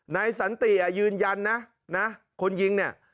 สันติยืนยันนะนะคนยิงเนี่ย